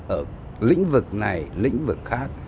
ở lĩnh vực này lĩnh vực khác